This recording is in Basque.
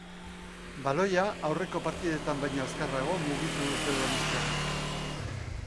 Baloia aurreko partidetan baino azkarrago mugitu dute donostiarrek.